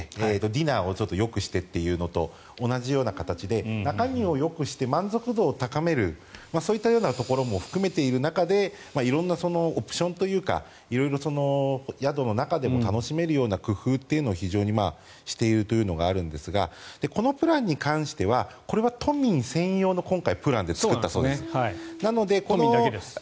ディナーをよくしてというのと同じような形で中身をよくして満足度を高めるそういったようなところも含めている中で色んなオプションというか色々、宿の中でも楽しめるような工夫を非常にしているというのがあるんですがこのプランに関しては都民専用の今回、プランで作ったそうなんです。